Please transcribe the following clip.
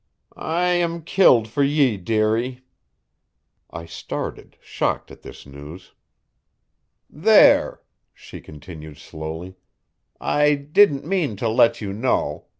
"I am killed for ye, dearie." I started, shocked at this news. "There," she continued slowly, "I didn't mean to let you know.